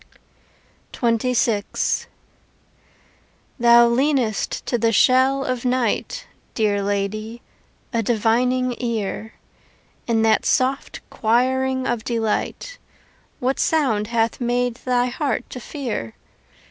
XXVI Thou leanest to the shell of night, Dear lady, a divining ear. In that soft choiring of delight What sound hath made thy heart to fear?